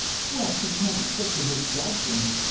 "Well, she's mighty quick to misjudge him!